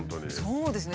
そうですね。